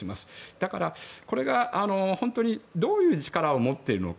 だから、これが本当にどういう力を持っているのか。